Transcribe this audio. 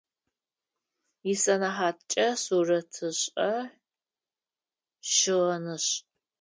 Исэнэхьаткӏэ сурэтышӏэ-щыгъынышӏ.